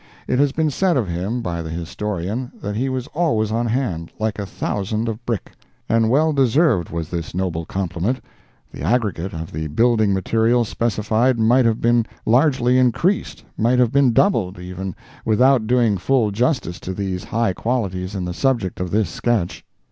It has been said of him, by the historian, that he was always on hand, like a thousand of brick. And well deserved was this noble compliment. The aggregate of the building material specified might have been largely increased—might have been doubled—even without doing full justice to these high qualities in the subject of this sketch.